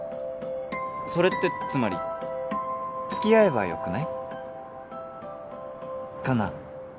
それってつまり付き合えばよくない？かな？